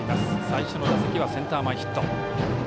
最初の打席はセンター前ヒット。